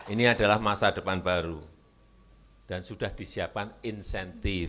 ini adalah masa depan baru dan sudah disiapkan insentif